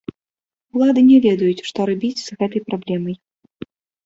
Улады не ведаюць, што рабіць з гэтай праблемай.